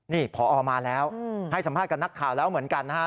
นี่พอมาแล้วให้สัมภาษณ์กับนักข่าวแล้วเหมือนกันนะฮะ